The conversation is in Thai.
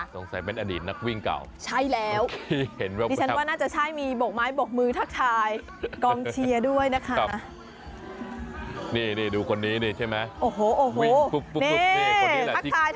สงสัยเป็นอดีตนักวิ่งเก่าโอเคเห็นแล้วครับ